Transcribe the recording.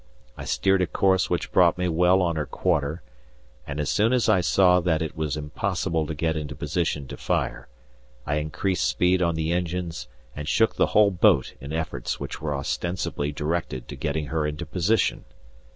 I steered a course which brought me well on her quarter, and as soon as I saw that it was impossible to get into position to fire I increased speed on the engines and shook the whole boat in efforts which were ostensibly directed to getting her into position.